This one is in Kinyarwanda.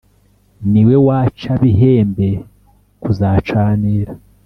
ni we waca bihembe kuzacanira.